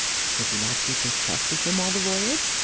"Could not he keep his chest with him all the voyage?"